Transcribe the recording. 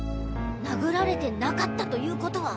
殴られてなかったということは。